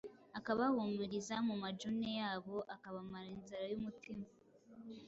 akabahumuriza mu majune yabo, akabamara inzara y’umutima